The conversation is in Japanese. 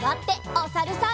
おさるさん。